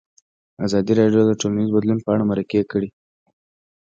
ازادي راډیو د ټولنیز بدلون اړوند مرکې کړي.